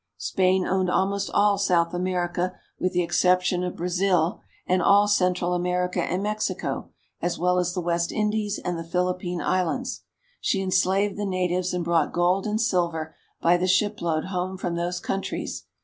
Spain owned almost all IN THE CITIES OF SPAIN. 44 1 South America with the exception of Brazil, and all Central America and Mexico, as well as the West Indies and the Philippine Islands. She enslaved the natives and brought gold and silver by the shipload home from those countries.